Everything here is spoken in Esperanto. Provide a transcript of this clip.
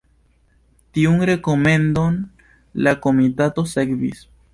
Tiun rekomendon la komitato sekvis.